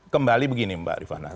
kembali begini mbak rifan